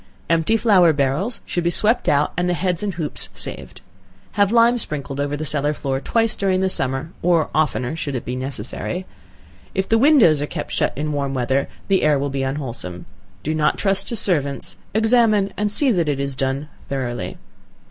Empty flour barrels should be swept out and the heads and hoops saved. Have lime sprinkled over the cellar floor twice during the summer, or oftener if it should be necessary. If the windows are kept shut in warm weather, the air will be unwholesome. Do not trust to servants, examine and see that it is done thoroughly.